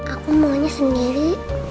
aku maunya sendiri